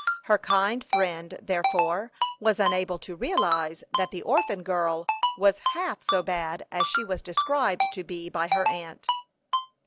Her kind friend, therefore, was unable to realize that the orphan girl was half so bad as she was described to be by her aunt.